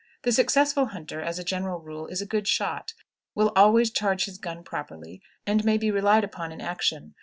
The successful hunter, as a general rule, is a good shot, will always charge his gun properly, and may be relied upon in action.